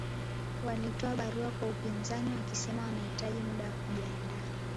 Walitoa barua kwa upinzani wakisema wanahitaji muda wa kujiandaa